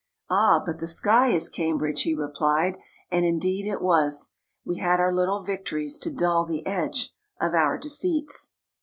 " Ah, but the sky is Cambridge !" he replied, and indeed it was. We had our little victories to dull the edge of our defeats.